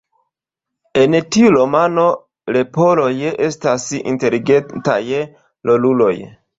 En tiu romano, leporoj estas inteligentaj roluloj.